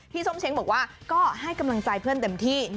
ส้มเช้งบอกว่าก็ให้กำลังใจเพื่อนเต็มที่